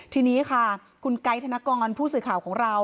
ทีนี้ค่ะคุณไกด์ธนกรผู้สื่อข่าวของเรา